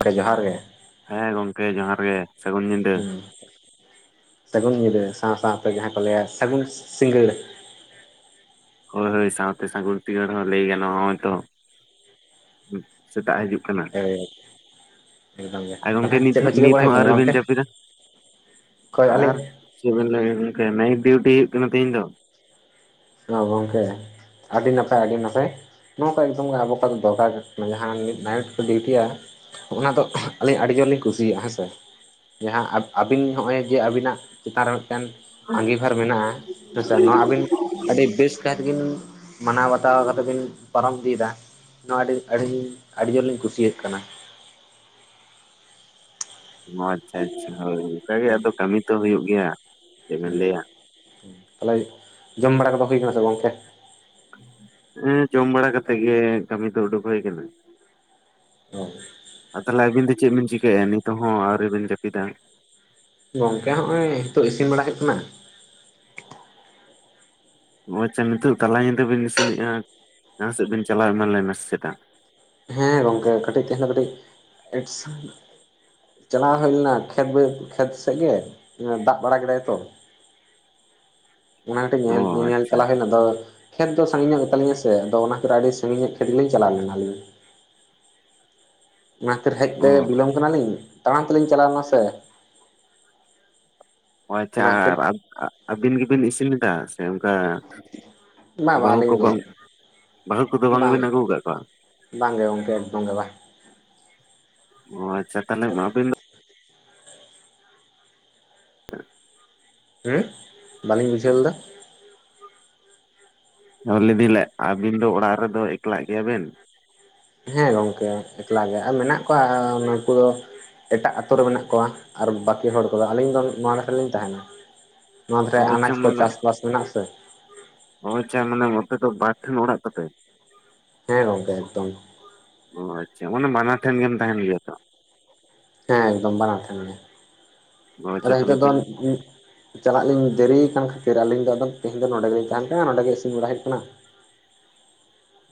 ᱜᱚᱝᱠᱮ ᱡᱚᱦᱟᱨ ᱜᱮᱲ᱾ ᱦᱮᱸ ᱜᱚᱝᱠᱮ ᱡᱚᱦᱟᱨ ᱜᱮ᱾ ᱥᱟᱹᱜᱩᱱ ᱧᱤᱫᱟᱹ ᱦᱩᱸ, ᱥᱟᱹᱜᱩᱱ ᱧᱤᱫᱟᱹ ᱥᱟᱶ ᱥᱟᱶᱛᱮ ᱡᱟᱦᱟᱸ ᱠᱚ ᱞᱟᱹᱭᱟ ᱥᱟᱹᱜᱩᱱ ᱥᱤᱸᱜᱟᱹᱲ᱾ ᱦᱳᱭ ᱦᱳᱭ ᱥᱟᱶᱛᱮ ᱥᱟᱹᱜᱩᱱ ᱥᱤᱜᱟᱹᱬ ᱦᱚᱸ ᱞᱟᱹᱭ ᱜᱟᱱᱚᱜ [unintelligible] ᱛᱚ, ᱥᱮᱛᱟᱜ ᱦᱟᱡᱩᱜ [unintelligible] ᱮᱠᱫᱚᱢ ᱜᱮ ᱟᱨ ᱜᱚᱝᱠᱮ ᱛᱟᱦᱚᱞᱮ ᱱᱤᱛ ᱪᱮᱫ ᱠᱚ ᱦᱚᱸ ᱪᱤᱠᱟᱹ ᱱᱤᱛ ᱵᱟᱲᱟ ᱦᱚᱸ ᱦᱳᱭᱳᱜ ᱠᱟᱱᱟ ᱟᱹᱣᱨᱤᱵᱤᱱ ᱜᱚᱝᱠᱮ? ᱡᱟᱹᱯᱤᱫᱟ ᱚᱠᱚᱭ ᱟᱨ ᱟᱞᱤᱧ? ᱪᱮᱫ ᱵᱤᱱ ᱞᱟᱹᱭᱟ ᱜᱚᱝᱠᱮ ᱱᱟᱭᱤᱴ ᱰᱤᱭᱩᱴᱤ ᱦᱩᱭᱩᱜ ᱠᱟᱱᱟ ᱛᱮᱦᱮᱧ ᱫᱚ? ᱦᱚᱸ ᱜᱚᱝᱠᱮ, ᱟᱰᱤ ᱱᱟᱯᱟᱭ ᱟᱰᱤ ᱱᱟᱯᱟᱭ᱾ ᱱᱚᱝᱠᱟ ᱮᱠᱫᱚᱢ ᱜᱮ ᱟᱵᱚ ᱠᱚᱣᱟᱜ ᱫᱚ ᱫᱚᱨᱠᱟᱨ ᱜᱮ ᱠᱟᱱᱟ ᱡᱟᱦᱟᱸᱱ ᱢᱤᱫ ᱱᱟᱭᱤᱴ ᱠᱚ ᱰᱤᱭᱩᱴᱤᱭᱟ ᱚᱱᱟ ᱫᱚ ᱟᱹᱞᱤᱧ ᱟᱹᱰᱤ ᱡᱳᱨ ᱞᱤᱧ ᱠᱩᱥᱤᱭᱟᱜᱼᱟ ᱦᱮᱸ ᱥᱮ᱾ ᱡᱟᱦᱟᱸ ᱟᱹᱵᱤᱱ ᱦᱚᱸᱜᱼᱚᱭ ᱡᱮ ᱟᱹᱵᱤᱱᱟᱜ ᱪᱮᱛᱟᱱ ᱨᱮ ᱢᱤᱫᱴᱟᱱ ᱟᱸᱜᱤᱵᱷᱟᱨ ᱢᱮᱱᱟᱜᱼᱟ ᱦᱮᱸᱥᱮ ᱱᱚᱣᱟ ᱟᱵᱤᱱ ᱟᱹᱰᱤ ᱵᱮᱥ ᱠᱟᱭᱛᱮ ᱜᱮ ᱵᱤᱱ ᱢᱟᱱᱟᱣ ᱵᱟᱛᱟᱣ ᱠᱟᱛᱮ ᱵᱤᱱ ᱯᱟᱨᱚᱢ ᱤᱫᱤᱭᱮᱫᱟ, ᱱᱚᱣᱟ ᱟᱹᱰᱤ ᱟᱹᱰᱤᱧ ᱟᱹᱰᱤ ᱡᱳᱨᱞᱤᱧ ᱠᱩᱥᱤᱭᱟᱹᱜ ᱠᱟᱱᱟ᱾ ᱚ ᱟᱪᱪᱷᱟ ᱟᱪᱪᱷᱟ ᱦᱳᱭ ᱚᱝᱠᱟ ᱜᱮ ᱟᱫᱚ ᱠᱟᱹᱢᱤ ᱛᱚ ᱦᱩᱭᱩᱜ ᱜᱮᱭᱟ᱾ ᱪᱮᱫ ᱵᱮᱱ ᱞᱟᱹᱭᱟ [inaudible] ᱛᱟᱦᱚᱞᱮ ᱡᱚᱢ ᱵᱟᱲᱟ ᱠᱚᱫᱚ ᱦᱳᱭ ᱠᱟᱱᱟ ᱥᱮ ᱜᱚᱝᱠᱮ? ᱮᱸ ᱡᱚᱢ ᱵᱟᱲᱟ ᱠᱟᱛᱮᱜ ᱜᱮ ᱠᱟᱢᱤ ᱫᱚ ᱩᱰᱩᱠ ᱦᱳᱭ ᱠᱟᱱᱟ᱾ [unintelligible] ᱟᱨ ᱛᱟᱦᱚᱞᱮ ᱟᱹᱵᱤᱱ ᱫᱚ ᱪᱮᱫ ᱵᱤᱱ ᱪᱤᱠᱟᱹᱭᱮᱜ-ᱟ ᱱᱤᱛᱚᱜ ᱦᱚᱸ ᱟᱹᱣᱨᱤ ᱵᱤᱱ ᱡᱟᱹᱯᱤᱫᱟ? ᱜᱚᱝᱠᱮ ᱦᱚᱸᱜᱼᱚᱭ ᱦᱤᱛᱚᱜ ᱤᱥᱤᱱ ᱵᱟᱲᱟ ᱦᱩᱭᱩᱜ ᱠᱟᱱᱟ᱾ ᱚ ᱟᱪᱪᱷᱟ ᱱᱤᱛᱚᱜ ᱛᱟᱞᱟ ᱧᱤᱫᱟᱹ ᱵᱤᱱ ᱤᱥᱤᱱᱮᱫᱼᱟ, ᱡᱟᱦᱟᱸ ᱥᱮᱫ ᱵᱤᱱ ᱪᱟᱞᱟᱣ ᱮᱢᱟ ᱞᱮᱱᱟ ᱪᱮᱛᱟ? ᱦᱮᱸ ᱜᱚᱝᱠᱮ ᱠᱟᱹᱴᱤᱡ ᱛᱮᱦᱮᱧ ᱫᱚ ᱠᱟᱹᱴᱤᱡ [inaudible] ᱪᱟᱞᱟᱣ ᱦᱳᱭ ᱞᱮᱱᱟ ᱠᱷᱮᱛ ᱵᱟᱹ ᱠᱷᱮᱛ ᱥᱮᱫ ᱜᱮ ᱫᱟᱜ ᱵᱟᱲᱟ ᱠᱮᱫᱟᱭ ᱛᱚ᱾ [unintelligible] [inaudible] ᱚᱱᱟ ᱠᱟᱹᱴᱤᱡ ᱚ ᱧᱮᱞ ᱧᱮᱧᱮᱞ ᱟᱪᱪᱷᱟ ᱪᱟᱞᱟᱣ ᱟᱪᱪᱷᱟ ᱦᱩᱭᱮᱱᱟ ᱟᱫᱚ ᱠᱷᱮᱛ ᱫᱚ ᱥᱟᱺᱜᱤᱧ ᱧᱚᱜ ᱜᱮᱛᱟᱞᱤᱧᱟ ᱥᱮ ᱟᱫᱚ ᱚᱱᱟ ᱠᱷᱟᱛᱤᱨ ᱟᱹᱰᱤ ᱥᱟᱺᱜᱤᱧ ᱧᱚᱜ ᱠᱷᱮᱛ ᱜᱮᱞᱤᱧ ᱪᱟᱞᱟᱣ ᱞᱮᱱᱟᱞᱤᱧ᱾ ᱚᱱᱟ ᱠᱷᱟᱹᱛᱤᱨ ᱦᱮᱡ ᱚ ᱛᱮᱜᱮ ᱵᱤᱞᱚᱢ ᱠᱟᱱᱟᱞᱤᱧ, ᱛᱟᱲᱟᱢ ᱛᱮᱞᱤᱧ ᱪᱟᱞᱟᱣ ᱞᱮᱱᱟ ᱥᱮ᱾ ᱚ ᱟᱪᱪᱷᱟ, ᱚᱱᱟ ᱠᱷᱟᱹᱛᱤᱨ ᱟᱨ ᱟ ᱟᱹᱵᱤᱱ ᱜᱮᱵᱤᱱ ᱤᱥᱤᱱ ᱞᱮᱫᱟ ᱥᱮ ᱚᱜᱠᱟ, ᱵᱟᱝ ᱵᱟᱝ ᱵᱟᱹᱦᱩ ᱟᱹᱞᱤᱧ ᱠᱚ ᱫᱚ [inaudible] ᱵᱟᱹᱦᱩ ᱠᱚᱫᱚ ᱵᱟᱝ ᱵᱤᱱ ᱟᱹᱜᱩ ᱠᱟᱜ ᱠᱚᱣᱟ? ᱵᱟᱝ ᱜᱮ ᱜᱚᱝᱠᱮ ᱮᱠᱫᱚᱢ ᱜᱮ ᱵᱟᱝ᱾ ᱚ ᱟᱪᱪᱷᱟ ᱛᱟᱦᱚᱞᱮ ᱟᱵᱤᱱ ᱫᱚ [unintelligible] ᱦᱩᱸ ᱵᱟᱞᱤᱧ ᱵᱩᱡᱷᱟᱹᱣ ᱞᱮᱫᱟ? [unintelligible] ᱟᱹᱵᱤᱱ ᱫᱚ ᱚᱲᱟᱜ ᱨᱮᱫᱚ ᱮᱠᱞᱟᱜ ᱜᱮᱭᱟ ᱵᱮᱱ᱾ ᱦᱮᱸ ᱜᱚᱝᱠᱮ ᱮᱠᱞᱟᱜᱮ ᱟᱨ ᱢᱮᱱᱟᱜ ᱠᱚᱣᱟ ᱟ ᱱᱠᱩᱫᱚ ᱮᱴᱟᱜ ᱟᱛᱳ ᱨᱮ ᱢᱮᱱᱟᱜ ᱠᱚᱣᱟ ᱟᱨ ᱵᱟᱹᱠᱤ ᱦᱚᱲ ᱠᱚᱫᱚ ᱟᱹᱞᱤᱧ ᱫᱚ ᱱᱚᱣᱟ ᱱᱟᱠᱷᱟ ᱨᱮᱞᱤᱧ ᱛᱟᱦᱮᱱᱟ᱾ ᱱᱚᱣᱟ ᱫᱷᱟᱨᱮ ᱚ ᱟᱪᱪᱷᱟ ᱟᱱᱟᱡ ᱠᱚ ᱢᱟᱱᱮ ᱪᱟᱥ ᱵᱟᱥ ᱢᱮᱱᱟᱜ ᱥᱮ ᱾ ᱚ ᱟᱪᱪᱷᱟ ᱢᱟᱱᱮ ᱱᱚᱛᱮ ᱫᱚ ᱵᱟᱨ ᱴᱷᱮᱱ ᱚᱲᱟᱜ ᱛᱟᱯᱮ? ᱦᱮᱸ ᱜᱚᱝᱠᱮ ᱮᱠᱫᱚᱢ᱾ ᱚ ᱟᱪᱪᱷᱟ ᱢᱟᱱᱮ ᱵᱟᱱᱟᱨ ᱴᱷᱮᱱ ᱜᱮᱢ ᱛᱟᱦᱮᱱ ᱜᱮᱭᱟ ᱛᱚ᱾ ᱦᱮᱸ ᱮᱠᱫᱚᱢ ᱵᱟᱱᱟᱨ ᱴᱷᱮᱱ ᱜᱮ, ᱚ ᱟᱫᱚ ᱟᱪᱪᱷᱟ ᱱᱤᱛᱚᱜ ᱛᱟᱦᱚᱞᱮ ᱫᱚ ᱛᱮᱦᱮᱧ ᱪᱟᱞᱟᱜ ᱞᱤᱧ ᱫᱮᱨᱤᱭ ᱟᱠᱟᱱ ᱠᱷᱟᱹᱛᱤᱨ ᱟᱹᱞᱤᱧ ᱫᱚ ᱟᱫᱚ ᱛᱮᱦᱮᱧ ᱫᱚ ᱱᱚᱰᱮ ᱜᱮᱞᱤᱧ ᱛᱟᱦᱮᱱ ᱠᱟᱱᱟ ᱱᱚᱰᱮ ᱜᱮ ᱤᱥᱤᱱ ᱵᱟᱲᱟ ᱦᱩᱭᱩᱜ ᱠᱟᱱᱟ᱾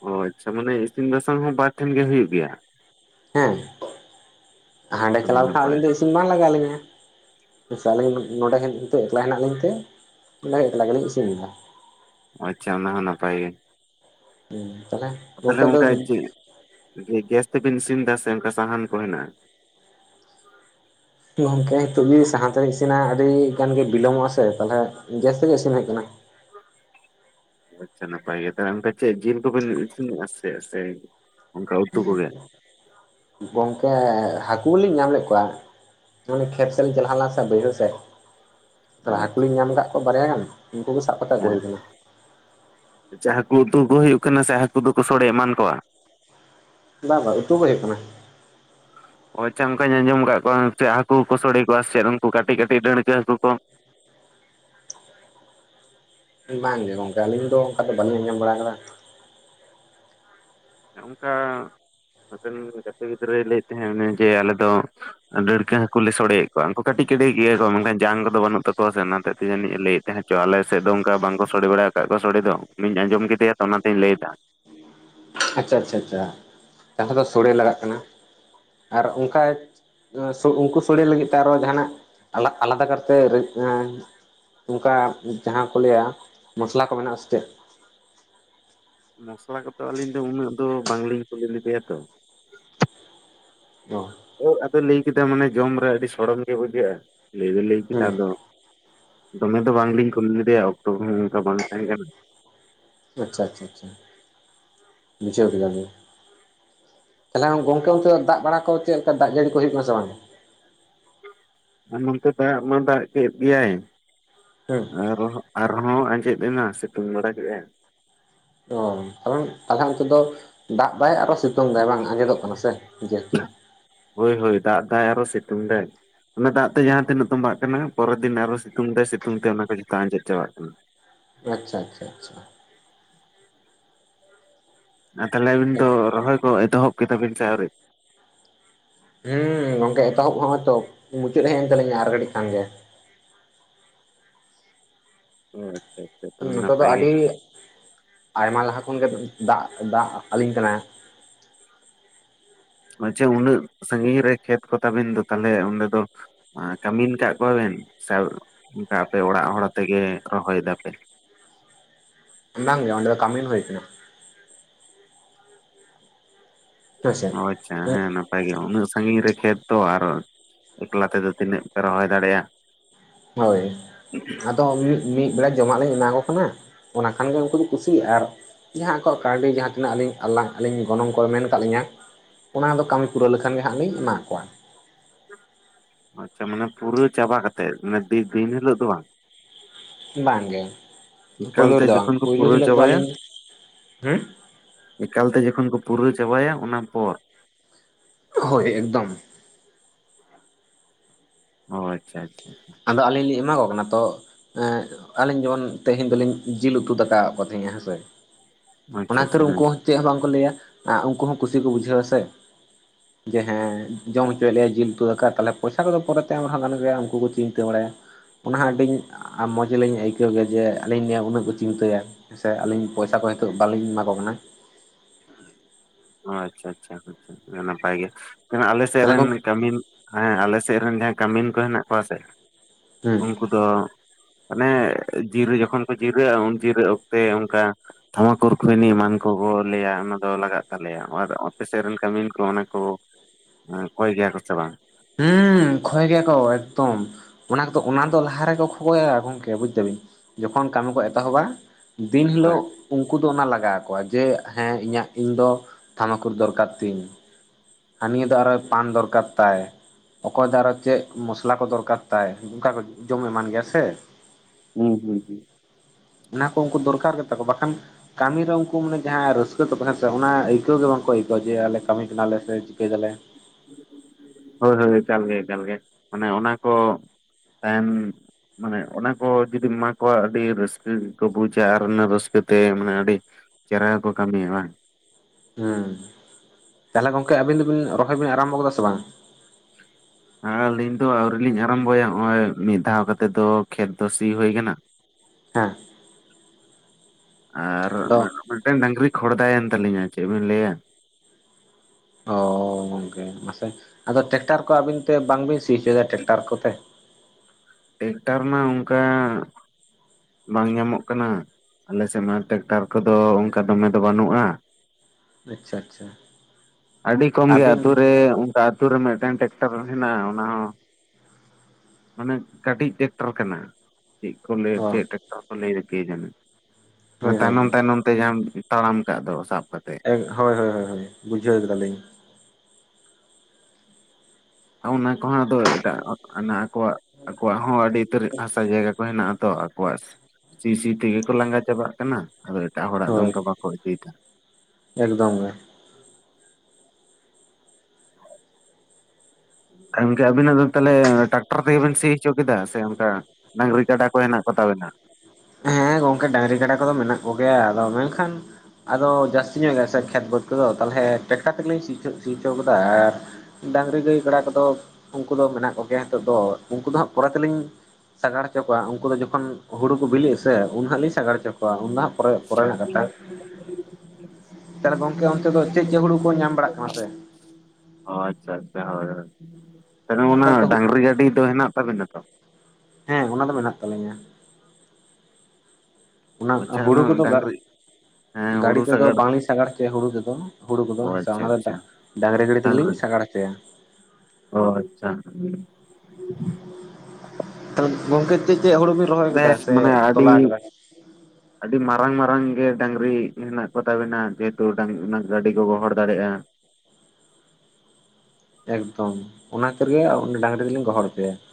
ᱚ ᱟᱪᱪᱷᱟ ᱢᱟᱱᱮ ᱤᱥᱤᱱ ᱵᱟᱥᱟᱝ ᱦᱚᱸ ᱵᱟᱨ ᱴᱷᱮᱱ ᱜᱮ ᱦᱩᱭᱩᱜ ᱜᱮᱭᱟ? ᱦᱮᱸ᱾ ᱦᱟᱸᱰᱮ ᱟᱹᱰᱤ ᱪᱟᱞᱟᱣ ᱞᱮᱠᱷᱟᱱ ᱱᱟᱯᱟᱭ ᱟᱹᱞᱤᱧ ᱫᱚ ᱤᱥᱤᱱ ᱵᱟᱝ ᱞᱟᱜᱟᱣ ᱞᱤᱧᱟᱹ᱾ ᱢᱮᱥᱮ ᱟᱹᱞᱤᱧ ᱱᱚᱰᱮ ᱦᱮᱡ ᱠᱟᱛᱮ ᱮᱠᱞᱟ ᱦᱮᱱᱟᱜ ᱞᱤᱧ ᱛᱮ ᱱᱚᱰᱮ ᱮᱠᱞᱟ ᱜᱮᱞᱤᱧ ᱤᱥᱤᱱ ᱮᱫᱟ᱾ ᱟᱪᱪᱷᱟ ᱚᱱᱟ ᱦᱚᱸ ᱱᱟᱯᱟᱭ ᱜᱮ᱾ ᱦᱮᱸ ᱛᱟᱦᱚᱞᱮ ᱟᱯᱮ ᱜᱚᱝᱠᱮ ᱥᱮᱜ ᱫᱚ ᱚᱱᱠᱟ ᱪᱤᱜ ᱜᱮᱥ ᱛᱮᱵᱮᱱ ᱤᱥᱤᱱ ᱮᱫᱟ, ᱥᱮ ᱚᱱᱠᱟ ᱥᱟᱦᱟᱱ ᱠᱚ ᱦᱮᱱᱟᱜᱼᱟ? ᱜᱚᱝᱠᱮ ᱱᱤᱛᱚᱜ ᱜᱮ ᱥᱟᱦᱟᱱ ᱛᱮᱞᱤᱧ ᱤᱥᱤᱱᱟ ᱟᱹᱰᱤ ᱜᱟᱱ ᱜᱮ ᱵᱤᱞᱚᱢᱚᱜᱼᱟ ᱥᱮ, ᱛᱟᱦᱚᱞᱮ ᱜᱮᱥ ᱛᱮᱜᱮ ᱤᱥᱤᱱ ᱦᱩᱭᱩᱜ ᱠᱟᱱᱟ᱾ ᱟᱪᱪᱷᱟ ᱱᱟᱯᱟᱭ ᱜᱮ᱾ ᱛᱟᱦᱚᱞᱮ ᱚᱱᱠᱟ ᱪᱮᱜ ᱡᱤᱞ ᱠᱚᱵᱮᱱ ᱤᱥᱤᱱᱮᱜᱼᱟ ᱥᱮ ᱥᱮ ᱚᱱᱠᱟ ᱩᱛᱩ ᱠᱚᱜᱮ? ᱜᱚᱝᱠᱮ ᱦᱟᱹᱠᱩ ᱞᱤᱧ ᱧᱟᱢ ᱞᱮᱫ ᱠᱚᱣᱟ᱾ ᱢᱟᱱᱮ ᱠᱷᱮᱛ ᱥᱮᱫ ᱞᱤᱝ ᱪᱟᱞᱟᱣ ᱞᱮᱱᱟ ᱥᱮ ᱵᱟᱹᱭᱦᱟᱹᱲ ᱥᱮᱜ ᱛᱟᱦᱚᱞᱮ ᱦᱟᱹᱠᱩ ᱞᱤᱧ ᱧᱟᱢ ᱠᱟᱜ ᱠᱚᱣᱟ ᱵᱟᱨᱭᱟ ᱜᱟᱱ ᱩᱱᱠᱩ ᱜᱮ ᱥᱟᱵ ᱠᱟᱛᱮ ᱟᱹᱜᱩ ᱦᱮᱸ ᱦᱩᱭ ᱠᱟᱱᱟ᱾ ᱟᱪᱪᱷᱟ ᱦᱟᱹᱠᱩ ᱩᱛᱩ ᱠᱚ ᱦᱩᱭᱩᱜ ᱠᱟᱱᱟ ᱥᱮ, ᱦᱟᱹᱠᱩ ᱫᱚᱠᱚ ᱥᱳᱲᱮ ᱮᱢᱟᱱ ᱠᱚᱣᱟ? ᱵᱟ ᱵᱟ ᱩᱛᱩ ᱠᱚ ᱦᱩᱭᱩᱜ ᱠᱟᱱᱟ᱾ ᱦᱳᱭ ᱟᱪᱪᱷᱟ ᱚᱱᱠᱟ ᱟᱸᱡᱚᱢ ᱟᱠᱟᱜ ᱠᱚᱣᱟ ᱪᱮᱜ ᱦᱟᱹᱠᱩ ᱠᱚ ᱥᱳᱲᱮ ᱠᱚᱣᱟ ᱥᱮᱜ ᱩᱱᱠᱩ ᱠᱟᱹᱴᱤᱡ ᱠᱟᱹᱴᱤᱡ ᱰᱟᱹᱬᱠᱟᱹ ᱦᱟᱹᱠᱩ ᱠᱚ? ᱵᱟᱝ ᱜᱮ ᱜᱚᱝᱠᱮ᱾ ᱟᱹᱞᱤᱧ ᱫᱚ ᱚᱱᱠᱟ ᱫᱚ ᱵᱟᱹᱞᱤᱧ ᱟᱸᱡᱚᱢ ᱵᱟᱲᱟ ᱟᱠᱟᱫᱟ᱾ ᱚᱱᱠᱟ ᱟᱵᱮᱱ ᱜᱟᱛᱮ ᱜᱤᱫᱽᱨᱟᱹᱭ ᱞᱟᱹᱭᱮᱫ ᱛᱟᱦᱮᱸ ᱡᱮ ᱟᱞᱮ ᱫᱚ ᱰᱟᱹᱲᱠᱟᱹ ᱦᱟᱹᱠᱩ ᱞᱮ ᱥᱚᱲᱮ ᱮᱜ ᱠᱚᱣᱟ᱾ ᱩᱱᱠᱩ ᱠᱟᱹᱴᱤᱡ ᱠᱟᱹᱴᱤᱡ ᱜᱮᱭᱟ ᱠᱚ ᱢᱮᱱᱠᱷᱟᱱ ᱡᱟᱝ ᱠᱚᱫᱚ ᱵᱟᱹᱱᱩᱜ ᱛᱟᱠᱚᱣᱟ ᱥᱮ ᱚᱱᱟ ᱛᱮᱡ ᱛᱮ ᱡᱟᱹᱱᱤᱡ ᱞᱟᱹᱭᱮᱫ ᱛᱟᱦᱮᱸ ᱪᱚ ᱟᱞᱮ ᱥᱮᱫ ᱫᱚ ᱚᱱᱠᱟ ᱵᱟᱝᱠᱚ ᱥᱚᱲᱮ ᱵᱟᱲᱟ ᱠᱟᱜ ᱠᱚᱣᱟ ᱥᱳᱲᱮ ᱫᱚ ᱤᱧ ᱟᱸᱡᱚᱢ ᱠᱮᱫᱮᱭᱟ ᱛᱚ ᱚᱱᱟᱛᱤᱧ ᱞᱟᱹᱭ ᱮᱫᱟ᱾ ᱟᱪᱪᱷᱟ ᱟᱪᱪᱷᱟ᱾ ᱛᱟᱦᱚᱞᱮ ᱥᱳᱲᱮ ᱞᱟᱜᱟᱜ ᱠᱟᱱᱟ᱾ ᱟᱨ ᱚᱱᱠᱟ ᱟ ᱥᱩ ᱩᱱᱠᱩ ᱥᱳᱲᱮ ᱞᱟᱹᱜᱤᱫ ᱛᱮ ᱟᱨᱚ ᱡᱟᱦᱟᱱᱟᱜ ᱟᱞᱟ ᱟᱞᱟᱫᱟ ᱠᱟᱨᱛᱮ ᱮᱸ ᱚᱱᱠᱟ ᱡᱟᱦᱟᱸ ᱠᱚ ᱞᱟᱹᱭᱟ ᱢᱚᱥᱞᱟ ᱠᱚ ᱢᱮᱱᱟᱜᱼᱟ ᱥᱮ ᱪᱮᱫ? ᱢᱚᱥᱞᱟ ᱠᱚᱫᱚ ᱟᱹᱞᱤᱧ ᱫᱚ ᱩᱱᱟᱹᱜ ᱫᱚ ᱵᱟᱝᱞᱤᱧ ᱠᱩᱞᱤ ᱞᱮᱫᱮᱭᱟ ᱛᱚ᱾ ᱚ ᱳ ᱟᱫᱚᱭ ᱞᱟᱹᱭ ᱠᱮᱫᱟ ᱢᱟᱱᱮ ᱡᱚᱢ ᱨᱮ ᱟᱹᱰᱤ ᱥᱚᱲᱚᱢ ᱜᱮ ᱵᱩᱡᱷᱟᱹᱜᱼᱟ ᱞᱟᱹᱭ ᱫᱚᱭ ᱞᱟᱹᱭ ᱠᱮᱫᱟ ᱦᱩᱸ ᱟᱫᱚ ᱫᱚᱢᱮ ᱫᱚ ᱵᱟᱝᱞᱤᱧ ᱠᱩᱞ ᱞᱮᱫᱮᱭᱟ ᱚᱠᱛᱚ ᱦᱚᱸ ᱚᱱᱠᱟ ᱵᱟᱝ ᱛᱟᱦᱮᱸ ᱠᱟᱱᱟ ᱾ ᱟᱪᱪᱷᱟ ᱟᱪᱪᱷᱟ ᱟᱪᱪᱷᱟ ᱵᱩᱡᱷᱟᱹᱣ ᱠᱮᱫᱟ ᱞᱤᱧ ᱾ ᱛᱟᱦᱚᱞᱮ ᱜᱚᱝᱠᱮ ᱚᱱᱛᱮ ᱫᱚ ᱫᱟᱜ ᱵᱟᱲᱟ ᱠᱚ ᱪᱮᱜ ᱞᱮᱠᱟ ᱫᱟᱜ ᱡᱟᱹᱲᱤ ᱠᱚ ᱦᱩᱭᱩᱜ ᱠᱟᱱᱟ ᱥᱮ ᱵᱟᱝ ᱾ ᱟᱨ ᱱᱚᱱᱛᱮ ᱫᱟᱜ ᱢᱟ ᱫᱟᱜ ᱠᱮᱫ ᱜᱮᱭᱟᱭ ᱦᱩᱸ ᱟᱨ ᱦᱚᱸ ᱟᱨ ᱦᱚᱸ ᱟᱸᱡᱮᱫ ᱮᱱᱟ ᱥᱤᱛᱩᱝ ᱵᱟᱲᱟ ᱠᱮᱜᱼᱟᱭ ᱾ ᱚ ᱠᱟᱨᱚᱱ ᱛᱟᱦᱚᱞᱮ ᱚᱱᱛᱮ ᱫᱚ ᱫᱟᱜ ᱫᱟᱭ ᱟᱨᱚ ᱥᱤᱛᱩᱝ ᱫᱟᱭ ᱵᱟᱝ ᱟᱸᱡᱮᱫᱚᱜ ᱠᱟᱱᱟ ᱥᱮ ᱡᱮᱦᱮᱛᱩ ᱦᱳᱭ ᱦᱳᱭ ᱫᱟᱜ ᱫᱟᱭ ᱟᱨᱚ ᱥᱤᱛᱩᱝ ᱫᱟᱭ ᱚᱱᱟ ᱫᱟᱜ ᱛᱮ ᱡᱟᱦᱟᱸ ᱛᱤᱱᱟᱹᱜ ᱛᱩᱢᱵᱟᱜ ᱠᱟᱱᱟ ᱯᱚᱨᱮᱨ ᱫᱤᱱ ᱟᱨᱚ ᱥᱤᱛᱩᱝ ᱫᱟᱭ ᱥᱤᱛᱩᱝ ᱛᱮ ᱚᱱᱟ ᱠᱚ ᱡᱚᱛᱚ ᱟᱸᱡᱮᱫ ᱪᱟᱵᱟᱜ ᱠᱟᱱᱟ ᱾ ᱟᱪᱪᱷᱟ ᱟᱪᱪᱷᱟ ᱟᱪᱪᱷᱟ ᱾ ᱟᱨ ᱛᱟᱦᱚᱞᱮ ᱟᱹᱵᱤᱱ ᱫᱚ ᱨᱚᱦᱚᱭ ᱠᱚ ᱮᱛᱚᱦᱚᱵ ᱠᱮᱫᱟ ᱵᱤᱱ ᱥᱮ ᱟᱹᱣᱨᱤ ᱦᱩᱸ ᱜᱚᱝᱠᱮ ᱮᱛᱚᱦᱚᱵ ᱦᱚᱸ-ᱚᱭ ᱛᱚ ᱢᱩᱪᱟᱹᱫ ᱦᱮᱡᱮᱱ ᱛᱟᱹᱞᱤᱧᱟ ᱟᱨ ᱠᱟᱹᱷᱴᱤᱡ ᱠᱷᱟᱱ ᱜᱮ᱾ ᱚ ᱟᱪᱪᱷᱟ ᱟᱪᱪᱷᱟ ᱮ ᱛᱟᱦᱚᱞᱮ ᱱᱤᱛᱚᱜ ᱫᱚ ᱱᱟᱯᱟᱭ ᱜᱮ ᱟᱹᱰᱤ ᱟᱭᱢᱟ ᱞᱟᱦᱟ ᱠᱷᱚᱱ ᱜᱮ ᱫᱟᱜ ᱫᱟᱜ ᱟᱹᱞᱤᱧ ᱠᱟᱱᱟ᱾ ᱪᱮ ᱩᱱᱟᱹᱜ ᱥᱟᱺᱜᱤᱧ ᱨᱮ ᱠᱷᱮᱛ ᱠᱚᱛᱟᱵᱤᱱ ᱫᱚ ᱛᱟᱦᱞᱮ ᱚᱸᱰᱮ ᱫᱚ᱾ ᱠᱟᱹᱢᱤᱱ ᱟᱠᱟᱫ ᱠᱚᱣᱟ ᱵᱮᱱ ᱥᱮ ᱚᱱᱠᱟ ᱟᱯᱮ ᱚᱲᱟᱜ ᱦᱚᱲ ᱟᱛᱮᱜᱮ ᱨᱚᱦᱚᱭ ᱮᱫᱟᱯᱮ᱾ ᱵᱟᱝ ᱜᱮ ᱚᱸᱰᱮ ᱫᱚ ᱠᱟᱹᱢᱤᱱ ᱦᱩᱭ ᱟᱠᱟᱱᱟ᱾ ᱦᱮᱸᱥᱮ ᱚ ᱟᱪᱪᱷᱟ ᱦᱮᱸ ᱚᱱᱟᱠᱚ᱾ ᱩᱱᱟᱹᱜ ᱥᱟᱺᱜᱤᱧ ᱨᱮ ᱠᱷᱮᱛ ᱫᱚ ᱟᱨ ᱮᱠᱞᱟ ᱛᱮᱫᱚ ᱛᱤᱱᱟᱹᱜ ᱯᱮ ᱨᱚᱦᱚᱭ ᱫᱟᱲᱮᱭᱟᱜ᱾ ᱦᱳᱭ ᱟ ᱫᱚ ᱢᱤᱫ ᱵᱮᱲᱟ ᱡᱚᱢᱟᱜ ᱞᱤᱧ ᱮᱢᱟ ᱠᱚ ᱠᱟᱱᱟ, ᱚᱱᱟ ᱠᱷᱟᱱ ᱜᱮ ᱩᱱᱠᱩ ᱫᱚ ᱠᱩᱥᱤ ᱟᱨ ᱡᱟᱸᱦᱟᱸ ᱟᱠᱚᱣᱟᱜ ᱠᱟᱹᱣᱰᱤ ᱡᱟᱸᱦᱟᱸ ᱛᱤᱱᱟᱹᱜ ᱟᱹᱞᱤᱧ ᱟᱞᱟᱝ ᱟᱹᱞᱤᱧ ᱜᱚᱱᱚᱝ ᱠᱚ ᱢᱮᱱ ᱟᱠᱟᱫ ᱞᱤᱧᱟ᱾ ᱚᱱᱟ ᱫᱚ ᱠᱟᱹᱢᱤ ᱯᱩᱨᱟᱹᱣ ᱞᱮᱠᱷᱟᱱ ᱜᱮ ᱦᱟᱸᱜ ᱞᱤᱧ ᱮᱢᱟ ᱠᱚᱣᱟ᱾ ᱟᱪᱪᱷᱟ ᱢᱟᱱᱮ ᱯᱩᱨᱟᱹ ᱪᱟᱵᱟ ᱠᱟᱛᱮᱜ ᱢᱟᱱᱮ ᱫᱤᱱ ᱫᱤᱱ ᱦᱤᱞᱳ ᱫᱚ ᱵᱟᱝ᱾ ᱵᱟᱝ ᱜᱮ ᱯᱳᱭᱞᱩ ᱮᱠᱟᱞᱛᱮ ᱨᱮᱫᱚ ᱵᱟᱝ ᱡᱚᱠᱷᱚᱱ ᱠᱚ ᱯᱩᱭᱞᱩ ᱯᱩᱨᱟᱹᱣ ᱦᱤᱞᱳ ᱫᱚ ᱪᱟᱵᱟᱭᱟ ᱟᱹᱞᱤᱧ ᱦᱮᱸ᱾ ᱮᱠᱟᱞ ᱛᱮ ᱡᱚᱠᱷᱚᱱ ᱠᱚ ᱯᱩᱨᱟᱹᱣ ᱪᱟᱵᱟᱭᱟ ᱚᱱᱟ ᱯᱚᱨ᱾ ᱦᱳᱭ ᱮᱠᱫᱚᱢ᱾ ᱚ ᱟᱪᱪᱷᱟ ᱟᱪᱪᱷᱟ᱾ ᱟᱫᱚ ᱟᱹᱞᱤᱧ ᱞᱤᱧ ᱮᱢᱟ ᱠᱚ ᱠᱟᱱᱟ ᱛᱚ᱾ ᱮᱸ ᱟᱹᱞᱤᱧ ᱡᱮᱢᱚᱱ ᱛᱮᱦᱮᱧ ᱫᱚᱞᱤᱧ ᱡᱤᱞ ᱩᱛᱩ ᱫᱟᱠᱟᱫ ᱠᱚ ᱛᱟᱦᱮᱸᱱᱟ ᱦᱮᱸᱥᱮ᱾ ᱟᱪᱪᱷᱟ ᱟᱪᱪᱷᱟ ᱚᱱᱟ ᱠᱷᱟᱹᱛᱤᱨ ᱟᱪᱪᱷᱟ ᱩᱱᱠᱩ ᱦᱮᱸ ᱦᱚᱸ ᱪᱮᱫ ᱦᱚᱸ ᱵᱟᱝ ᱠᱚ ᱞᱟᱹᱭᱟ, ᱩᱱᱠᱩ ᱦᱚᱸ ᱠᱩᱥᱤ ᱠᱚ ᱵᱩᱡᱷᱟᱹᱣᱟ ᱥᱮ᱾ ᱡᱮ ᱦᱮᱸ ᱡᱚᱢ ᱦᱚᱪᱚᱭᱮᱫ ᱞᱮᱭᱟ ᱡᱤᱞ ᱩᱛᱩᱫ ᱫᱟᱠᱟ, ᱛᱟᱦᱞᱮ ᱯᱚᱭᱥᱟ ᱠᱚᱫᱚ ᱯᱚᱨᱮ ᱛᱮ ᱮᱢ ᱨᱮᱦᱚᱸ ᱜᱟᱱᱚᱜ ᱜᱮᱭᱟ ᱩᱱᱠᱩ ᱠᱚ ᱪᱤᱱ [inaudible] ᱵᱟᱲᱟᱭᱟ, ᱚᱱᱟ ᱦᱚᱸ ᱟᱹᱰᱤ ᱢᱚᱡᱽ ᱞᱤᱧ ᱟᱹᱭᱠᱟᱹᱣ ᱜᱮᱭᱟ ᱡᱮ ᱟᱹᱞᱤᱧ ᱱᱤᱭᱟᱹ ᱩᱱᱟᱹᱜ ᱠᱚ ᱪᱤᱱᱛᱟᱹᱭᱟ᱾ ᱦᱮᱸ ᱥᱮ ᱟᱹᱞᱤᱧ ᱯᱚᱭᱥᱟ ᱠᱚ ᱱᱤᱛᱚᱜ ᱵᱟᱞᱤᱧ ᱮᱢᱟ ᱠᱚ ᱠᱟᱱᱟ᱾ ᱚ ᱟᱪᱪᱷᱟ ᱟᱪᱪᱷᱟ ᱱᱟᱯᱟᱭ ᱜᱮ, ᱟᱞᱮ ᱥᱮᱫ ᱛᱟᱦᱚᱞᱮ ᱨᱮᱱ ᱜᱚᱝᱠᱮ ᱠᱟᱹᱢᱤᱱ ᱦᱮᱸ ᱟᱞᱮ ᱥᱮᱫ ᱨᱮᱱ ᱡᱟᱸᱦᱟᱸᱭ ᱠᱟᱹᱢᱤᱱ ᱠᱚ ᱦᱮᱱᱟᱜ ᱠᱚᱣᱟ ᱥᱮ ᱦᱮᱸ ᱩᱱᱠᱩ ᱫᱚ ᱢᱟᱱᱮ ᱡᱤᱨᱟᱹ ᱡᱚᱠᱷᱚᱱ ᱠᱚ ᱡᱤᱨᱟᱹᱜᱼᱟ ᱩᱱ ᱡᱤᱨᱟᱹᱜ ᱚᱠᱛᱮ ᱚᱱᱠᱟ᱾ ᱛᱷᱟᱢᱟᱠᱩᱨ ᱠᱷᱩᱭᱱᱤ ᱮᱢᱟᱱ ᱠᱚᱠᱚ ᱞᱟᱹᱭᱟ ᱚᱱᱟ ᱫᱚ ᱞᱟᱜᱟᱜ᱾ ᱛᱟᱞᱮᱭᱟ ᱟᱨ ᱟᱯᱮ ᱥᱮ ᱨᱮᱱ ᱠᱟᱹᱢᱤᱱ ᱠᱚ ᱚᱱᱟ ᱠᱚ ᱠᱚᱭ ᱜᱮᱭᱟ ᱠᱚ ᱥᱮ ᱵᱟᱝ᱾ ᱦᱩᱸ ᱠᱷᱚᱭ ᱜᱮᱭᱟ ᱠᱚ ᱮᱠᱫᱚᱢ᱾ ᱚᱱᱟ ᱠᱚᱫᱚ ᱚᱱᱟ ᱫᱚ ᱞᱟᱦᱟ ᱨᱮᱠᱚ ᱠᱷᱚᱠᱚᱭᱟ ᱜᱚᱢᱠᱮ ᱵᱩᱡᱽ ᱮᱫᱟ ᱵᱤᱱ ᱡᱚᱠᱷᱚᱱ ᱠᱟᱹᱢᱤ ᱠᱚ ᱮᱛᱚᱦᱚᱵᱟ᱾ ᱫᱤᱱ ᱦᱳᱭ ᱦᱤᱞᱳᱜ ᱩᱱᱠᱩ ᱫᱚ ᱚᱱᱟ ᱞᱟᱜᱟᱣ ᱟᱠᱚᱣᱟ ᱡᱮ ᱦᱮᱸ ᱤᱧᱟᱹᱜ ᱤᱧ ᱫᱚ ᱛᱷᱟᱢᱟᱠᱩᱨ ᱫᱚᱨᱠᱟᱨ ᱛᱤᱧ᱾ ᱦᱟᱱᱤᱭᱟᱹ ᱫᱚ ᱟᱨᱚᱭ ᱯᱟᱱ ᱫᱚᱨᱠᱟᱨ ᱛᱟᱭ᱾ ᱚᱠᱚᱭ ᱫᱟᱨᱮ ᱪᱮᱫ ᱢᱚᱥᱞᱟ ᱠᱚ ᱫᱚᱨᱠᱟᱨ ᱛᱟᱭ ᱚᱱᱠᱟ ᱠᱚ ᱡᱚᱢᱮ ᱮᱢᱟᱱ ᱜᱮᱭᱟ ᱥᱮ᱾ ᱦᱮᱸ ᱦᱩᱸ ᱦᱩᱸ᱾ ᱚᱱᱟ ᱠᱚ ᱩᱱᱠᱩ ᱫᱚᱨᱠᱟᱨ ᱜᱮ ᱛᱟᱠᱚ ᱵᱟᱠᱷᱟᱱ ᱠᱟᱹᱢᱤᱤᱨ ᱨᱮ ᱩᱱᱠᱩ ᱢᱟᱱᱮ ᱡᱟᱦᱟᱸ ᱨᱟᱹᱥᱠᱟᱹ ᱠᱚ ᱛᱟᱦᱮᱱ ᱥᱮ ᱚᱱᱟ ᱟᱹᱭᱠᱟᱹᱣ ᱜᱮ ᱵᱟᱝᱠᱚ ᱟᱹᱭᱠᱟᱹᱣᱟ ᱡᱮ ᱟᱞᱮ ᱠᱟᱹᱢᱤ ᱠᱟᱱᱟᱞᱮ ᱥᱮ ᱪᱤᱠᱟᱹᱭ ᱫᱟᱞᱮ᱾ ᱦᱳᱭ ᱦᱳᱭ ᱮᱠᱟᱞ ᱜᱮ ᱮᱠᱟᱞ ᱜᱮ ᱢᱟᱱᱮ ᱚᱱᱟ ᱠᱚ ᱛᱟᱦᱮᱱ᱾ ᱢᱟᱱᱮ ᱚᱱᱟ ᱠᱚ ᱡᱩᱫᱤᱢ ᱮᱢᱟ ᱠᱚᱣᱟ ᱟᱹᱰᱤ ᱨᱟᱹᱥᱠᱟᱹ ᱠᱚ ᱵᱩᱡᱟ ᱟᱨ ᱤᱱᱟ ᱨᱟᱹᱥᱠᱟᱹᱛᱮ ᱢᱟᱱᱮ ᱟᱹᱰᱤ ᱪᱚᱦᱮᱨᱟ ᱜᱮ ᱠᱚ ᱠᱟᱹᱢᱤᱭᱟ ᱵᱟᱝ᱾ ᱦᱮᱸ ᱛᱟᱦᱚᱞᱮ ᱜᱚᱝᱠᱮ ᱟᱵᱤᱱ ᱫᱚ ᱵᱤᱱ ᱨᱚᱦᱚᱭ ᱵᱮᱱ ᱟᱨᱚᱢᱵᱚ ᱟᱠᱟᱫᱟ ᱥᱮ ᱵᱟᱝ? ᱟᱹᱞᱤᱧ ᱫᱚ ᱟᱹᱣᱨᱤ ᱞᱤᱧ ᱟᱨᱟᱢᱵᱚᱭᱟ ᱦᱚᱼᱚᱭ ᱢᱤᱫ ᱫᱷᱟᱣ ᱠᱟᱛᱮᱜ ᱫᱚ ᱠᱷᱮᱛ ᱫᱚ ᱥᱤ ᱦᱩᱭ ᱟᱠᱟᱱᱟ ᱾ ᱦᱮᱸ ᱾ ᱟᱨ ᱫᱚ ᱢᱤᱫᱴᱮᱱ ᱰᱟᱝᱨᱤ ᱠᱷᱚᱲᱫᱟᱭᱮᱱ ᱛᱟ. ᱞᱤᱧᱟᱭ ᱪᱮᱫ ᱵᱮᱱ ᱞᱟᱹᱭᱟ ᱾ ᱚ ᱜᱚᱝᱠᱮ ᱢᱟᱥᱮ ᱟᱫᱚ ᱴᱮᱠᱴᱟᱨ ᱠᱚ ᱟᱵᱤᱱ ᱛᱮ ᱵᱟᱝ ᱵᱤᱱ ᱥᱤ ᱦᱚᱪᱚᱭᱮᱫᱟ ᱴᱮᱠᱴᱟᱨ ᱠᱚᱛᱮ? ᱴᱮᱠᱴᱟᱨ ᱢᱟ ᱚᱱᱠᱟ ᱵᱟᱝ ᱧᱟᱢᱚᱜ ᱠᱟᱱᱟ ᱟᱞᱮ ᱥᱮᱫ ᱢᱟ ᱴᱮᱠᱴᱟᱨ ᱠᱚᱫᱚ ᱚᱱᱠᱟ ᱫᱚᱢᱮ ᱫᱚ ᱵᱟᱹᱱᱩᱜ-ᱟ ᱾ ᱟᱪᱪᱷᱟ ᱟᱪᱪᱷᱟ ᱾ ᱟᱹᱰᱤ ᱠᱚᱢ ᱜᱮ ᱟᱹᱛᱩ ᱨᱮ ᱚᱱᱠᱟ ᱟᱹᱛᱩᱨ ᱨᱮ ᱢᱤᱫᱴᱮᱱ ᱴᱮᱠᱴᱟᱨ ᱢᱮᱱᱟᱜ-ᱟ, ᱚᱱᱟ ᱦᱚᱸ ᱢᱟᱱᱮ ᱠᱟᱹᱴᱤᱡ ᱴᱮᱠᱴᱚᱨ ᱠᱟᱱᱟ ᱾ ᱪᱮᱫ ᱠᱚ ᱞᱟᱹᱭ ᱚ ᱪᱮᱫ ᱴᱮᱠᱴᱟᱨ ᱠᱚ ᱞᱟᱹᱭ ᱠᱮ ᱡᱟᱱᱮ ᱦᱳᱭ ᱛᱟᱭᱱᱚᱢ ᱦᱳᱭ ᱛᱟᱭᱱᱚᱢ ᱛᱮ ᱡᱟᱦᱟᱢ ᱛᱟᱲᱟᱢ ᱠᱟᱜ ᱫᱚ ᱥᱟᱵ ᱠᱟᱛᱮᱫ ᱾ ᱮ ᱦᱳᱭ ᱦᱳᱭ ᱦᱳᱭ ᱦᱳᱭ ᱵᱩᱡᱷᱟᱹᱣ ᱠᱟᱫᱟ ᱞᱤᱧ ᱾ ᱚᱱᱟ ᱠᱷᱚᱱ ᱟᱫᱚ ᱮᱴᱟᱜ [inaudible] ᱟᱠᱚᱣᱟᱜ ᱟᱠᱚᱣᱟᱜ ᱦᱚᱸ ᱟᱹᱰᱤ ᱩᱛᱟᱹᱨ ᱦᱟᱥᱟ ᱡᱟᱭᱜᱟ ᱠᱚ ᱦᱮᱱᱟᱜ ᱟ ᱛᱚ, ᱟᱠᱚᱣᱟᱜ ᱥᱤ ᱥᱤᱼᱼ ᱛᱮᱜᱮ ᱠᱚ ᱞᱟᱸᱜᱟ ᱪᱟᱵᱟᱜ ᱠᱟᱱᱟ ᱟᱫᱚ ᱮᱴᱟᱜ ᱦᱚᱲᱟᱜ ᱫᱚ ᱦᱳᱭ ᱚᱱᱠᱟ ᱵᱟᱠᱚ ᱤᱫᱤᱭᱮᱫᱟ ᱾ ᱮᱠᱫᱚᱢ ᱜᱮ ᱾ ᱜᱚᱝᱠᱮ ᱟᱵᱤᱱᱟᱜ ᱫᱚ ᱛᱟᱦᱚᱞᱮ ᱴᱟᱠᱴᱚᱨ ᱛᱮᱜᱮ ᱵᱮᱱ ᱥᱤ ᱦᱚᱪᱚ ᱠᱮᱫᱟ ᱥᱮ ᱚᱱᱠᱟ ᱰᱟᱹᱝᱨᱤ ᱠᱟᱰᱟ ᱠᱚ ᱦᱮᱱᱟᱜ ᱠᱚᱛᱟ ᱵᱤᱱᱟ? ᱦᱮᱸ ᱜᱚᱝᱠᱮ ᱰᱟᱹᱝᱨᱤ ᱜᱟᱰᱟ ᱠᱚᱫᱚ ᱢᱮᱱᱟᱜ ᱠᱚᱜᱮᱭᱟ, ᱟᱫᱚ ᱢᱮᱱᱠᱷᱟᱱ ᱟᱫᱚ ᱡᱟᱹᱥᱛᱤ ᱧᱚᱜ ᱜᱮᱭᱟ ᱥᱮ ᱠᱷᱮᱛ ᱵᱟᱹᱫᱽ ᱠᱚᱫᱚ ᱛᱟᱦᱚᱞᱮ ᱴᱮᱠᱴᱟᱨ ᱛᱮᱜᱮ ᱞᱤᱧ ᱥᱤ ᱦᱚᱪᱚ ᱥᱤ ᱪᱚ ᱜᱚᱫᱟ, ᱟᱨ ᱰᱟᱝᱨᱤ ᱜᱟᱹᱭ ᱠᱟᱲᱟ ᱠᱚᱫᱚ ᱩᱱᱠᱩ ᱫᱚ ᱢᱮᱱᱟᱜ ᱠᱚ ᱜᱮᱭᱟ ᱱᱤᱛᱚᱜ ᱫᱚ ᱩᱱᱠᱩ ᱫᱚ ᱦᱟᱸᱜ ᱯᱚᱨᱮ ᱛᱮᱞᱤᱧ ᱥᱟᱜᱟᱲ ᱦᱚᱪᱚ ᱠᱚᱣᱟ ᱩᱱᱠᱩ ᱫᱚ ᱡᱚᱠᱷᱚᱱ ᱦᱩᱲᱩ ᱠᱚ ᱵᱤᱞᱤᱜ ᱟᱥᱮ ᱩᱱ ᱦᱟᱸᱜ ᱞᱤᱧ ᱥᱟᱜᱟᱲ ᱪᱚ ᱠᱚᱣᱟ ᱩᱱ ᱦᱟᱸᱜ ᱯᱚᱨᱮ ᱯᱚᱨᱮᱱᱟᱜ ᱠᱟᱛᱷᱟ ᱾ ᱛᱟᱦᱚᱞᱮ ᱜᱚᱝᱠᱮ ᱚᱱᱛᱮ ᱫᱚ ᱪᱮᱫ ᱪᱮᱫ ᱦᱩᱲᱩ ᱠᱚ ᱧᱟᱢ ᱵᱟᱲᱟᱜ ᱠᱟᱱᱟ ᱥᱮ? ᱚ ᱟᱪᱪᱷᱟ ᱟᱪᱪᱷᱟ ᱦᱳᱭ ᱦᱳᱭ ᱛᱟᱞᱦᱮ ᱜᱚᱝᱠᱮ ᱚᱱᱟ ᱚᱱᱛᱮ ᱰᱟᱝᱨᱤ ᱜᱟᱹᱰᱤ ᱫᱚ ᱦᱮᱱᱟᱜ ᱛᱟᱵᱤᱱᱟ ᱛᱚ? ᱦᱮᱸ ᱚᱱᱟ ᱫᱚ ᱢᱮᱱᱟᱜ ᱛᱟᱞᱤᱧᱟ ᱾ ᱚᱱᱟ ᱟᱪᱪᱷᱟ ᱦᱩᱲᱩ ᱠᱚᱫᱚ [inaudible] ᱰᱟᱝᱨᱤ ᱾ ᱦᱮᱸ ᱜᱟᱹᱰᱤ ᱦᱩᱲᱩ ᱛᱮᱫᱚ ᱥᱟᱜᱟᱲ ᱵᱟᱝᱞᱤᱧ ᱥᱟᱜᱟᱲ ᱦᱚᱪᱚᱣᱟ ᱦᱩᱲᱩ ᱛᱮᱫᱚ ᱦᱩᱲᱩ ᱠᱚᱫᱚ ᱚ ᱦᱟᱥᱟ ᱟᱪᱪᱷᱟ ᱚᱱᱟ ᱫᱚ ᱟᱪᱪᱷᱟ ᱫᱟᱜ ᱰᱟᱝᱽᱨᱤ ᱜᱟᱹᱰᱤ ᱛᱮᱜᱮᱞᱤᱧ ᱰᱟᱝᱨᱤ ᱥᱟᱜᱟᱲ ᱦᱚᱪᱚᱭᱟ ᱾ ᱚ ᱟᱪᱪᱷᱟ ᱾ [inaudible] ᱜᱚᱝᱠᱮ ᱪᱮᱫ ᱪᱮᱫ ᱦᱩᱲᱩ ᱵᱤᱱ ᱨᱚᱦᱚᱭ ᱟᱞᱮ ᱠᱮᱫᱟ ᱥᱮ ᱢᱟᱱᱮ ᱟᱹᱰᱤ ᱛᱚᱞᱟ ᱠᱟᱫᱟ [inaudible] ᱟᱹᱰᱤ ᱢᱟᱨᱟᱝ ᱢᱟᱨᱟᱝ ᱜᱮ ᱰᱟᱹᱝᱨᱤ ᱦᱮᱱᱟᱜ ᱠᱚ ᱛᱟᱵᱮᱱᱟ ᱡᱮᱦᱮᱛᱩ ᱰᱟᱝ ᱚᱱᱟ ᱜᱟᱹᱰᱤ ᱠᱚ ᱜᱚᱦᱚᱲ ᱫᱟᱲᱮᱭᱟᱜ-ᱟ ᱾ ᱮᱠᱫᱚᱢ ᱚᱱᱟ ᱠᱷᱟᱛᱤᱨ ᱜᱮ ᱩᱱ ᱰᱟᱝᱨᱤ ᱛᱮᱞᱤᱧ ᱜᱚᱦᱚᱲ ᱦᱚᱪᱚᱭᱟ ᱾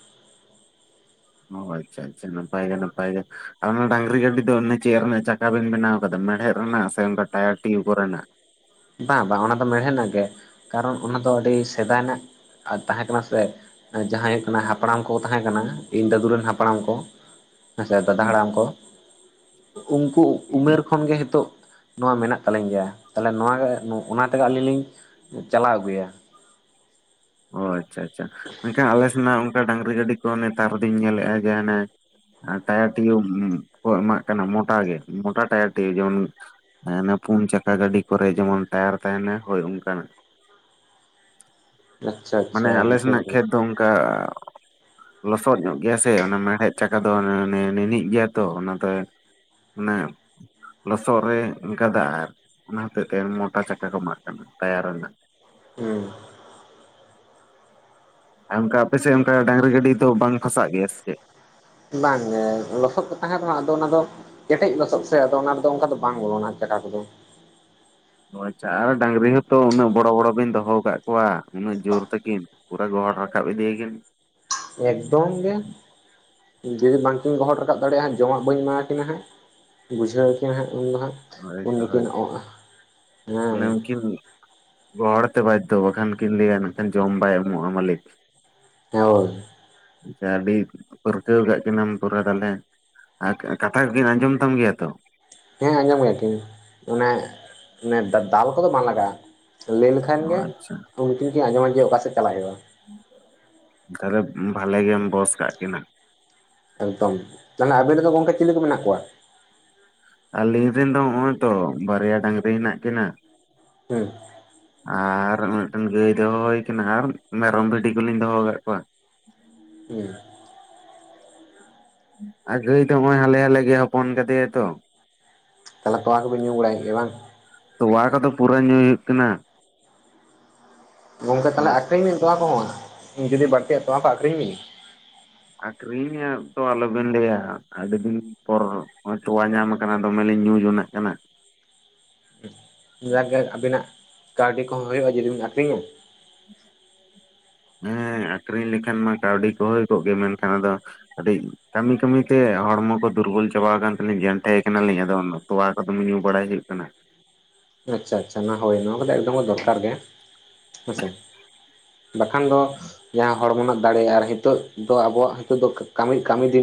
ᱚ ᱟᱪᱪᱷᱟ ᱟᱪᱪᱷᱟ ᱱᱟᱯᱟᱭ ᱜᱮ ᱱᱟᱯᱟᱭ ᱜᱮ ᱾ ᱟᱨ ᱚᱱᱟ ᱰᱟᱝᱨᱤ ᱜᱟᱹᱰᱤ ᱫᱚ ᱚᱱᱮ ᱪᱮᱫ ᱨᱮᱱᱟᱜ ᱪᱟᱠᱟ ᱵᱤᱱ ᱵᱮᱱᱟᱣ ᱟᱠᱟᱫᱟ ᱢᱮᱲᱦᱮᱫ ᱨᱮᱱᱟᱜ ᱥᱮ ᱚᱱᱠᱟ ᱴᱟᱭᱟᱨ ᱴᱤᱭᱩ ᱠᱚᱨᱮ ᱱᱟᱜ? ᱵᱟᱝ ᱵᱟᱝ ᱚᱱᱟ ᱫᱚ ᱢᱮᱲᱦᱮᱫ ᱨᱮᱱᱟᱜ ᱜᱮ ᱠᱟᱨᱚᱱ ᱚᱱᱟ ᱫᱚ ᱟᱹᱰᱤ ᱥᱮᱫᱟᱭ ᱨᱮᱱᱟᱜ-ᱟ ᱛᱟᱦᱮᱸ ᱠᱟᱱᱟ ᱥᱮ ᱾ ᱡᱟᱦᱟᱸᱭ ᱠᱟᱱᱟ ᱦᱟᱯᱲᱟᱢ ᱠᱚ ᱛᱟᱦᱮᱸ ᱠᱟᱱᱟ ᱤᱧ ᱫᱟᱫᱩ ᱨᱮᱱ ᱦᱟᱯᱲᱟᱢ ᱠᱚ ᱦᱮᱸ ᱥᱮ ᱫᱟᱫᱟ ᱦᱟᱲᱟᱢ ᱠᱚ ᱩᱱᱠᱩ ᱩᱢᱮᱨ ᱠᱷᱚᱱᱜᱮ ᱦᱤᱛᱚᱜ ᱱᱚᱣᱟ ᱢᱮᱱᱟᱜ ᱛᱟᱹᱞᱤᱧ ᱜᱮᱭᱟ, ᱛᱟᱦᱚᱞᱮ ᱱᱚᱣᱟ [inaudible] ᱚᱱᱟ ᱛᱮᱜᱮ ᱟᱹᱞᱤᱧ ᱞᱤᱧ ᱪᱟᱞᱟᱣ ᱟᱹᱜᱩᱭᱟ ᱾ ᱚ ᱟᱪᱪᱷᱟ ᱟᱪᱪᱷᱟ, ᱢᱮᱱᱠᱷᱟᱡ ᱟᱞᱮ ᱥᱮᱱᱟᱜ ᱚᱱᱠᱟ ᱰᱟᱝᱨᱤ ᱜᱟᱹᱰᱤ ᱠᱚ ᱱᱮᱛᱟᱨ ᱫᱩᱧ ᱧᱮᱞᱮᱫ-ᱟ ᱡᱮ ᱦᱟᱱᱮ ᱟᱨ ᱴᱟᱭᱟᱨ ᱴᱤᱭᱩ ᱠᱚ ᱮᱢᱟᱜ ᱠᱟᱱᱟ ᱢᱚᱴᱟ ᱜᱮ ᱢᱚᱴᱟ ᱴᱟᱭᱟᱨ ᱴᱤᱭᱩ ᱡᱮᱢᱚᱱ ᱦᱟᱱᱮ ᱯᱩᱱ ᱪᱟᱠᱟ ᱜᱟᱹᱰᱤ ᱠᱚᱨᱮ ᱡᱮᱢᱚᱱ ᱴᱟᱭᱟᱨ ᱛᱟᱦᱮᱱᱟ ᱦᱳᱭ ᱚᱱᱠᱟᱱᱟᱜ ᱾ ᱟᱪᱪᱷᱟ ᱢᱟᱱᱮ ᱟᱪᱪᱷᱟ ᱟᱞᱮ ᱵᱩᱡᱷᱟᱹᱣ ᱥᱮᱱᱟᱜ ᱫᱟᱹᱧ ᱠᱷᱮᱛ ᱫᱚ ᱚᱱᱠᱟ ᱞᱚᱥᱚᱫ ᱧᱚᱜ ᱜᱮᱭᱟ ᱥᱮ ᱚᱱᱟ ᱢᱮᱲᱦᱮᱫ ᱪᱟᱠᱟ ᱫᱚ ᱚᱱᱟ ᱚᱱᱮ ᱱᱤᱱᱤᱜ ᱜᱮᱭᱟ ᱛᱚ ᱚᱱᱟ ᱛᱮ [inaudible] ᱞᱚᱥᱚᱫ ᱨᱮ ᱜᱟᱫᱟᱜ-ᱟ ᱟᱨ ᱚᱱᱟ ᱦᱚᱛᱮᱡ ᱛᱮ ᱢᱚᱴᱟ ᱪᱟᱠᱟ ᱠᱚ ᱮᱢᱟᱜ ᱠᱟᱱᱟ ᱴᱟᱭᱟᱨ ᱨᱮᱱᱟᱜ ᱾ ᱦᱩᱸ ᱟᱨ ᱚᱱᱠᱟ ᱟᱯᱮ ᱥᱮᱜ ᱚᱱᱠᱟ ᱰᱟᱝᱨᱤ ᱜᱟᱹᱰᱤ ᱫᱚ ᱵᱟᱝ ᱯᱷᱟᱥᱟᱜ ᱜᱮᱭᱟ ᱥᱮ ᱪᱮᱫ? ᱵᱟᱝᱜᱮ ᱞᱚᱥᱚᱫ ᱠᱚ ᱛᱟᱦᱮᱱ ᱨᱮᱦᱚ ᱟᱫᱚ ᱚᱱᱟᱫᱚ᱾ ᱠᱮᱴᱮᱡ ᱞᱚᱥᱚᱫ ᱥᱮ ᱟᱫᱚ ᱚᱱᱟ ᱨᱮᱫᱚ ᱚᱝᱠᱟ ᱫᱚ ᱵᱟᱝ ᱵᱚᱞᱚᱱᱟᱜ ᱪᱟᱠᱟ ᱠᱚᱫᱚ᱾ ᱚ ᱟᱪᱪᱷᱟ ᱟᱨ ᱰᱟᱝᱨᱤ ᱦᱚᱸᱛᱚ ᱩᱱᱟᱹᱜ ᱵᱚᱲᱚ ᱵᱚᱲᱚ ᱵᱤᱱ ᱫᱚᱦᱚ ᱟᱠᱟᱜ ᱠᱚᱣᱟ ᱩᱱᱟᱹᱜ ᱡᱳᱨ ᱛᱟᱹᱠᱤᱱ᱾ ᱯᱩᱨᱟᱹ ᱜᱚᱦᱚᱲ ᱨᱟᱠᱟᱵ ᱤᱫᱤᱭᱟᱹᱠᱤᱱ᱾ ᱮᱠᱫᱚᱢ ᱜᱮ ᱡᱩᱫᱤ ᱵᱟᱝᱠᱤᱱ ᱜᱚᱦᱚᱲ ᱨᱟᱠᱟᱵ ᱫᱟᱲᱮᱭᱟᱜᱼᱟ ᱡᱚᱢᱟᱜ ᱵᱟᱹᱧ ᱮᱢᱟᱠᱤᱱᱟ ᱦᱟᱸᱜ᱾ ᱵᱩᱡᱷᱟᱹᱣ ᱠᱤᱱᱟ ᱦᱟᱸᱜ ᱩᱱ ᱫᱚ ᱦᱟᱸᱜ ᱩᱱ ᱦᱳᱭᱛᱚ ᱫᱚᱠᱤᱱ ᱦᱳᱭᱛᱚ ᱚᱸᱜ ᱢᱟᱱᱮ ᱦᱮᱸ᱾ ᱩᱱᱠᱤᱱ ᱜᱚᱦᱚᱲ ᱛᱮ ᱵᱟᱡᱽᱫᱷᱳ ᱵᱟᱠᱷᱟᱱ ᱠᱤᱱ ᱞᱮᱭᱟ ᱱᱟᱜ ᱠᱷᱟᱱ ᱡᱚᱢ ᱵᱟᱭ ᱮᱢᱚᱜᱼᱟ ᱢᱟᱹᱞᱤᱠ᱾ ᱦᱳᱭ ᱟᱪᱪᱷᱟ ᱟᱹᱰᱤ ᱯᱟᱹᱨᱠᱟᱹᱣ ᱠᱟᱜ ᱠᱤᱱᱟᱹᱢ ᱯᱩᱨᱟᱹ ᱛᱟᱦᱚᱞᱮ᱾ ᱟᱨ ᱠᱟᱛᱷᱟ ᱠᱚᱠᱤᱱ ᱟᱸᱡᱚᱢ ᱛᱟᱢ ᱜᱮᱭᱟ ᱛᱚ? ᱦᱮᱸ ᱟᱸᱡᱚᱢ ᱜᱮᱭᱟ ᱠᱤᱱ ᱚᱱᱮ ᱚᱱᱮ ᱫᱟᱞ ᱠᱚᱫᱚ ᱵᱟᱝ ᱞᱟᱜᱟᱜᱼᱟ᱾ ᱞᱟᱹᱭ ᱞᱮᱠᱷᱟᱱ ᱚ ᱜᱮ ᱟᱪᱪᱷᱟ ᱩᱱᱠᱤᱱ ᱠᱤᱱ ᱟᱸᱡᱚᱢᱟ ᱡᱮ ᱚᱠᱟᱥᱮᱜ ᱪᱟᱞᱟᱜ ᱦᱳᱭᱳᱜᱼᱟ᱾ ᱛᱟᱦᱚᱞᱮ ᱵᱷᱟᱞᱮ ᱜᱮᱢ ᱵᱚᱥ ᱠᱟᱜ ᱠᱤᱱᱟ᱾ ᱮᱠᱫᱚᱢ ᱛᱟᱦᱚᱞᱮ ᱟᱵᱮᱱ ᱨᱮᱱ ᱫᱚ ᱜᱚᱝᱠᱮ ᱪᱤᱞᱤ ᱠᱚ ᱢᱮᱱᱟᱜ ᱠᱚᱣᱟ? ᱟᱹᱞᱤᱧ ᱨᱮᱱ ᱫᱚ ᱦᱚᱜᱼᱚᱭ ᱛᱚ ᱵᱟᱨᱭᱟ ᱰᱟᱝᱨᱤ ᱦᱮᱱᱟᱜ ᱠᱤᱱᱟ᱾ ᱦᱮᱸ ᱟᱨ ᱢᱤᱫᱴᱮᱱ ᱜᱟᱹᱭ ᱫᱚᱦᱚ ᱦᱳᱭ ᱠᱟᱱᱟ ᱟᱨ ᱢᱮᱨᱚᱢ ᱵᱷᱤᱰᱤ ᱠᱩᱞᱤᱧ ᱫᱚᱦᱚ ᱟᱠᱟᱜ ᱠᱚᱣᱟ᱾ ᱦᱩᱸ ᱟ ᱜᱟᱹᱭ ᱛᱚ ᱦᱚᱜᱼᱚᱭ ᱦᱟᱞᱮ ᱦᱟᱞᱮ ᱜᱮ ᱦᱚᱯᱚᱱ ᱠᱟᱫᱮᱭᱟᱭ ᱛᱚ᱾ ᱛᱟᱦᱚᱞᱮ ᱛᱚᱣᱟ ᱠᱚᱵᱤᱱ ᱧᱩ ᱵᱟᱲᱟᱭᱮᱜ ᱜᱮᱭᱟ ᱵᱟᱝ᱾ ᱛᱚᱣᱟ ᱠᱚᱫᱚ ᱯᱩᱨᱟᱹ ᱧᱩᱭ ᱦᱩᱭᱩᱜ ᱠᱟᱱᱟ᱾ ᱜᱚᱝᱠᱮ ᱛᱟᱦᱚᱞᱮ ᱟᱠᱷᱨᱤᱧ ᱵᱤᱱ ᱛᱚᱣᱟ ᱠᱚᱦᱚᱸ ᱦᱟᱸᱜ ᱡᱩᱫᱤ ᱵᱟᱹᱲᱛᱤᱟᱜ ᱛᱚᱣᱟ ᱠᱚ ᱟᱹᱷᱨᱤᱧ ᱵᱤᱱ᱾ ᱟᱠᱷᱨᱤᱧ ᱛᱚ ᱟᱞᱚᱵᱮᱱ ᱞᱮᱭᱟ ᱟᱹᱰᱤᱫᱤᱱ᱾ ᱯᱚᱨ ᱛᱚᱣᱟ ᱧᱟᱢ ᱠᱟᱱᱟ ᱫᱚᱢᱮ ᱞᱤᱧ ᱧᱩ ᱡᱚᱱᱟᱜ ᱠᱟᱱᱟ᱾ ᱡᱟᱜ ᱜᱮ ᱟᱵᱤᱱᱟᱜ ᱠᱟᱹᱣᱰᱤ ᱠᱚᱦᱚᱸ ᱦᱳᱭᱳᱜᱼᱟ ᱡᱩᱫᱤᱵᱤᱱ ᱟᱠᱷᱨᱤᱧᱟ᱾ ᱦᱮᱸ ᱟᱠᱷᱨᱤᱧ ᱞᱮᱠᱷᱟᱱ ᱢᱟ ᱠᱟᱹᱣᱰᱤ ᱠᱚ ᱦᱩᱭ ᱠᱚᱜ ᱜᱮ, ᱢᱮᱱᱠᱷᱟᱱ ᱟᱫᱚ᱾ ᱠᱟᱹᱴᱤᱡ ᱠᱟᱹᱢᱤ ᱠᱟᱹᱢᱤ ᱛᱮ ᱦᱚᱲᱢᱚ ᱠᱚ ᱫᱩᱨᱵᱚᱞ ᱪᱟᱵᱟᱣ ᱟᱠᱟᱱ ᱛᱟᱹᱞᱤᱧ ᱡᱮᱱᱴᱮ ᱟᱠᱟᱱᱟᱞᱤᱧ ᱟᱫᱚ ᱚᱱᱟ᱾ ᱛᱚᱣᱟ ᱠᱚᱫᱚ ᱫᱚᱢᱮ ᱧᱩ ᱵᱟᱲᱟᱭ ᱦᱩᱭᱩᱜ ᱠᱟᱱᱟ᱾ ᱟᱪᱪᱷᱟ ᱟᱪᱪᱷᱟ ᱚᱱᱟ ᱦᱳᱭ ᱱᱳᱣᱟ ᱠᱚᱫᱚ ᱮᱠᱫᱚᱢ ᱜᱮ ᱫᱚᱨᱠᱟᱨ ᱜᱮ᱾ ᱦᱮᱸᱥᱮ ᱵᱟᱠᱷᱟᱱ ᱫᱚ ᱡᱟᱦᱟᱸ᱾ ᱦᱚᱲᱢᱚᱱᱟᱜ ᱫᱟᱲᱮ ᱟᱨ ᱦᱤᱛᱚᱜ ᱫᱚ ᱟᱵᱚᱣᱟᱜ ᱦᱤᱛᱚᱜ ᱫᱚ ᱠᱟᱹᱢᱤ ᱠᱟᱹᱢᱤ ᱫᱤᱱ᱾